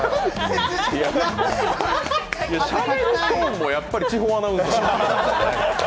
しゃべるトーンもやっぱり地方アナウンサー。